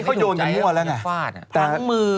คือตอนนี้เขาโยนกันมั่วแล้วไง